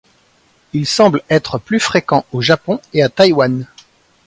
Il semble être plus fréquent au Japon et à Taiwan.